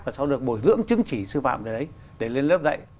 và sau được bồi dưỡng chứng chỉ sư phạm về đấy để lên lớp dạy